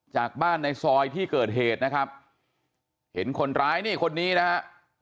จากบ้านในซอยที่เกิดเหตุนะครับเห็นคนร้ายนี่คนนี้นะฮะ